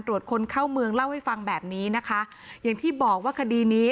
คนเข้าเมืองเล่าให้ฟังแบบนี้นะคะอย่างที่บอกว่าคดีนี้